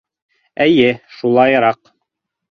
Эйе, шулайыраҡ...